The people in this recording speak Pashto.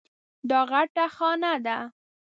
دا غټه خانه ده.